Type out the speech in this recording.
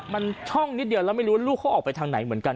มันช่องนิดเดียวแล้วไม่รู้ลูกเขาออกไปทางไหนเหมือนกัน